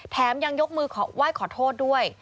ยังยกมือไหว้ขอโทษด้วย